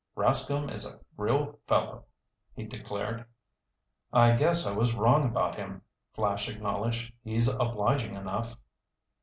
"Rascomb is a real fellow," he declared. "I guess I was wrong about him," Flash acknowledged. "He's obliging enough."